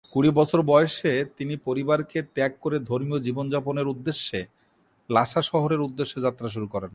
কুড়ি বছর বয়সে তিনি পরিবারকে ত্যাগ করে ধর্মীয় জীবনযাপনের উদ্দেশ্যে লাসা শহরের উদ্দেশ্যে যাত্রা করেন।